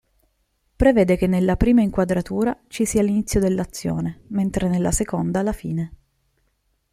Prevede che nella prima inquadratura ci sia l'inizio dell'azione, mentre nella seconda la fine.